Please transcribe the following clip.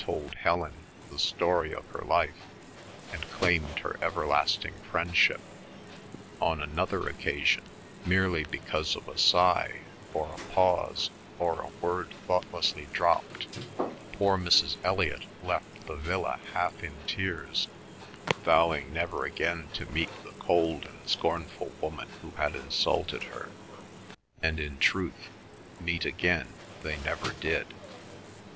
told Helen the story of her life, and claimed her everlasting friendship; on another occasion, merely because of a sigh, or a pause, or a word thoughtlessly dropped, poor Mrs. Elliot left the villa half in tears, vowing never again to meet the cold and scornful woman who had insulted her, and in truth, meet again they never did.